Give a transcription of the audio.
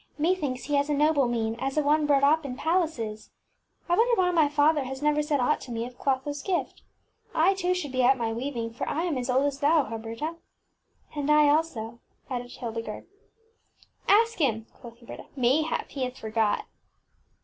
ŌĆśMethinks he has a noble mien, as of one brought up in pal aces. I wonder why my father has never said aught to me of ClothoŌĆÖs gift. I, too, should be at ^Lt\e Wbm CjMcabcrs my weaving, for I am as old as thou, Huberta.ŌĆÖ ŌĆśAnd I also, ŌĆÖ added Hildegarde. ŌĆśAsk him, ŌĆÖ quoth Hu berta. ŌĆś Mayhap he hath forgot.